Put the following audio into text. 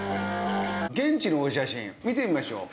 現地のお写真見てみましょう。